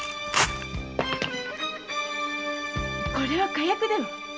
これは火薬では？